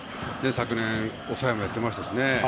昨年、抑えもやっていましたしね。